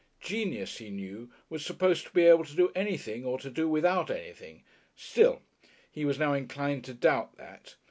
Genius, he knew, was supposed to be able to do anything or to do without anything; still he was now inclined to doubt that.